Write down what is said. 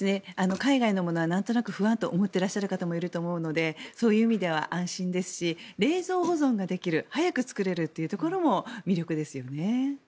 海外のものは、なんとなく不安と思ってらっしゃる方もいると思うのでそういう意味では安心ですし冷蔵保存ができる早く作れるというところも魅力ですよね。